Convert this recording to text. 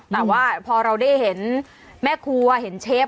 แต่ว่าพอเราได้เห็นแม่ครัวเห็นเชฟ